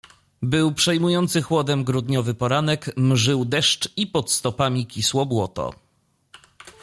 "Był przejmujący chłodem grudniowy poranek, mżył deszcz i pod stopami kisło błoto."